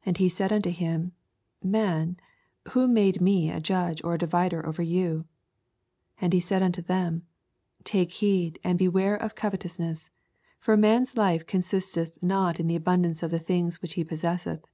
14 And he said nnto him, Man, who made me a judge or a divider over you ? 15 And he said nnto them, Take heed, and beware of covetousness : for a man's life consisteth not in the abnndance of the things which he possesseth.